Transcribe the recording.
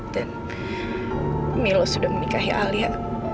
dan milo sudah menikahi alia